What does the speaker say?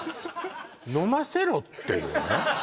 飲ませろっていうね